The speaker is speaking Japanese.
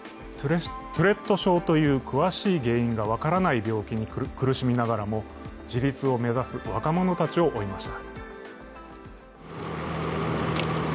トゥレット症という詳しい原因が分からない病気に苦しみながらも自立を目指す若者たちを追いました。